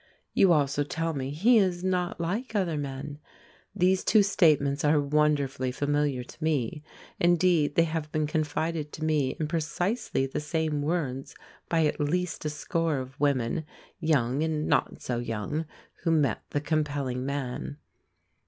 You also tell me "he is not like other men." These two statements are wonderfully familiar to me, indeed they have been confided to me in precisely the same words by at least a score of women, young and not so young, who met the compelling man.